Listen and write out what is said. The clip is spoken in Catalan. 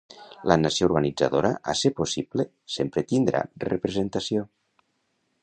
La nació organitzadora a ser possible, sempre tindrà representació.